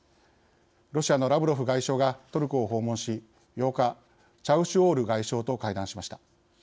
ロシアのラブロフ外相がトルコを訪問し８日、チャウシュオール外相と会談しました。